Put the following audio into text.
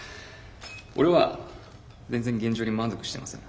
俺は全然現状に満足してません。